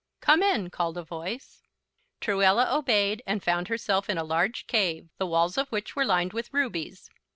"Come in!" called a voice. Truella obeyed, and found herself in a large cave, the walls of which were lined with rubies.